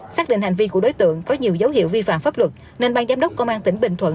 xác định hành vi của đối tượng có nhiều dấu hiệu vi phạm pháp luật nên ban giám đốc công an tỉnh bình thuận